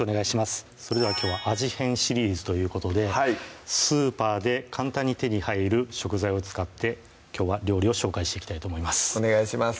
それではきょうは味変シリーズということでスーパーで簡単に手に入る食材を使ってきょうは料理を紹介していきたいと思いますお願いします